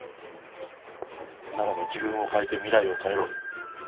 ならば自分を変えて未来を変えろ。